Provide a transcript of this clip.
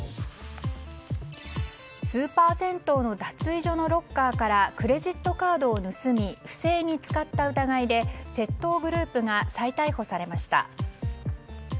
スーパー銭湯の脱衣所のロッカーからクレジットカードを盗み不正に使った疑いで窃盗グループが再逮捕されました。